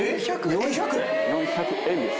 ４００円です。